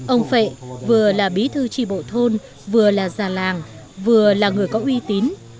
ông vệ vừa là bí thư tri bộ thôn vừa là già làng vừa là người có uy tín